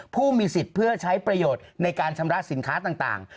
ผู้มีสิทธิ์เพื่อใช้ประโยชน์ในการชำระสินค้าต่าง